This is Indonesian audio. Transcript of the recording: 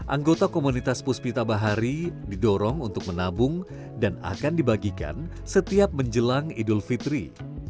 anggota komunitas puspita bahari didorong untuk menabung dan akan dibagikan setiap menjelang idul fitri